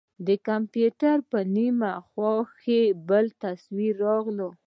د کمپيوټر په نيمه خوا کښې بل تصوير راغى.